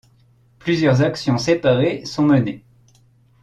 Plusieurs actions séparées sont menées.